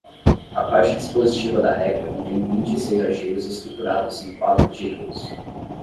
A parte dispositiva da regra contém vinte e seis artigos estruturados em quatro títulos.